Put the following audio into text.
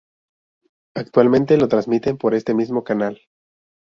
Actualmente lo transmiten por este mismo canal.